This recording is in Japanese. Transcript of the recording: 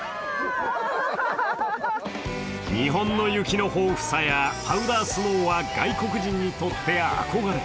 日本の雪の豊富さやパウダースノーは外国人にとって憧れ。